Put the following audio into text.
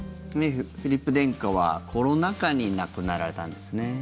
フィリップ殿下はコロナ禍に亡くなられたんですね。